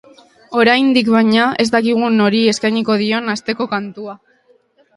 Oraindik, baina, ez dakigu nori eskainiko dion asteko kantua.